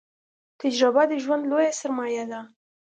تجربه د ژوند لويه سرمايه ده